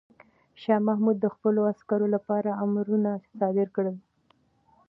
شاه محمود د خپلو عسکرو لپاره امرونه صادر کړل.